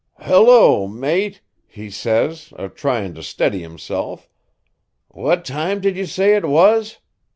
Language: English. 'Hello, mate,' he says, a trying to steady himself, 'what time did you say it was?'